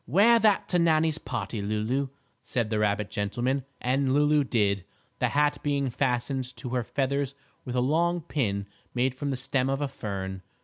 "Wear that to Nannie's party, Lulu," said the rabbit gentleman, and Lulu did, the hat being fastened to her feathers with a long pin made from the stem of a fern.